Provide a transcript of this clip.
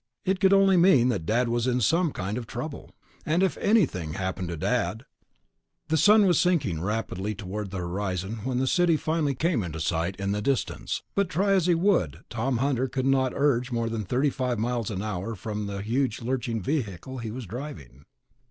It could only mean that Dad was in some kind of trouble. And if anything had happened to Dad.... The sun was sinking rapidly toward the horizon when the city finally came into sight in the distance, but try as he would, Tom Hunter could not urge more than thirty five miles an hour from the huge lurching vehicle he was driving.